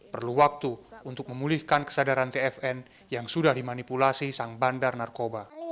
perlu waktu untuk memulihkan kesadaran tfn yang sudah dimanipulasi sang bandar narkoba